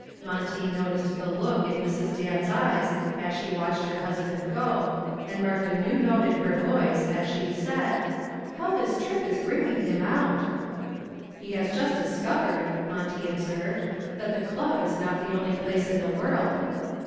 Monty noticed the look in Mrs. Dan's eyes as she watched her husband go, and marked a new note in her voice as she said, "How this trip is bringing him out." "He has just discovered," Monty observed, "that the club is not the only place in the world."